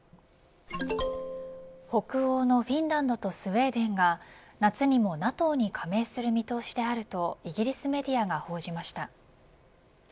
北欧のフィンランドとスウェーデンが夏にもＮＡＴＯに加盟する見通しであるとイギリスメディアが報じました。